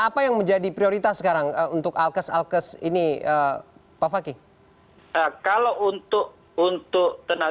apa yang menjadi prioritas sekarang untuk alkes alkes ini pak fakih kalau untuk untuk tenaga